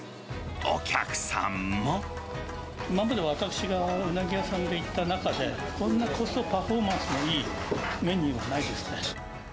今まで私がうなぎ屋さんで行った中で、こんなコストパフォーマンスのいいメニューはないです